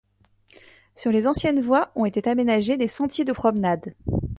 Sur les anciennes voies ont été aménagés des sentiers de promenade.